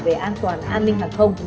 về an toàn an ninh hàng không